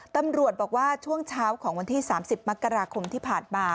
ตำรวจบอกว่าช่วงเช้าของวันที่๓๐มกราคมที่ผ่านมา